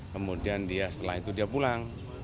kemudian dia setelah itu dia pulang